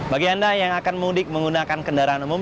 bagi anda yang akan mudik menggunakan kendaraan umum